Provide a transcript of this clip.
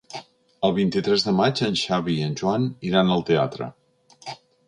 El vint-i-tres de maig en Xavi i en Joan iran al teatre.